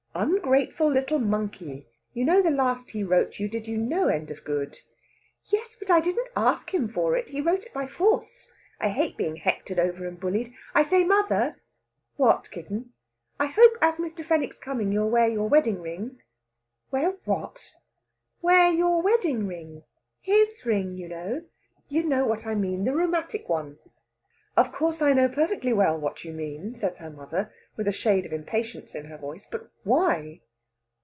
"Ungrateful little monkey! You know the last he wrote you did you no end of good." "Yes, but I didn't ask him for it. He wrote it by force. I hate being hectored over and bullied. I say, mother!" "What, kitten?" "I hope, as Mr. Fenwick's coming, you'll wear your wedding ring." "Wear what?" "Wear your wedding ring. His ring, you know! You know what I mean the rheumatic one." "Of course I know perfectly well what you mean," says her mother, with a shade of impatience in her voice. "But why?"